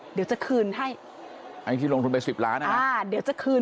เดี๋ยวจะคืนให้ไอ้ที่ลงทุนไปสิบล้านอ่ะอ่าเดี๋ยวจะคืน